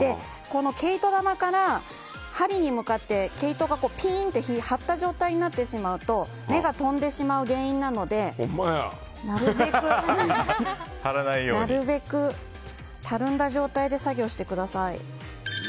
毛糸玉から針に向かって毛糸が、ぴんと張った状態になってしまうと目が飛んでしまう原因なのでなるべく、たるんだ状態で作業してください。